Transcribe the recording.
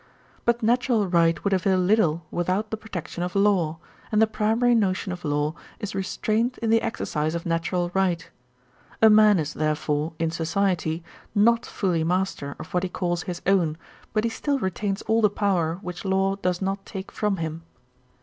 'But natural right would avail little without the protection of law; and the primary notion of law is restraint in the exercise of natural right. A man is therefore, in society, not fully master of what he calls his own, but he still retains all the power which law does not take from him.